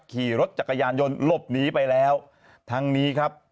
ขี่รถจักรยานยนต์หลบหนีไปแล้วทั้งนี้ครับ